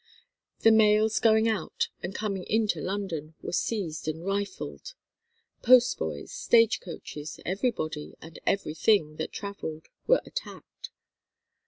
The mails going out and coming into London were seized and rifled. Post boys, stagecoaches, everybody and everything that travelled, were attacked.